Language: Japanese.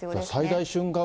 最大瞬間